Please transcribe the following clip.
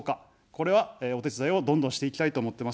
これはお手伝いをどんどんしていきたいと思ってます。